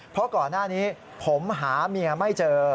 เพราะก่อนหน้านี้ผมหาเมียไม่เจอ